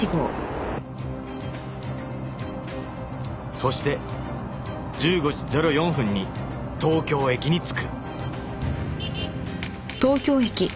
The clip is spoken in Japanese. そして１５時０４分に東京駅に着く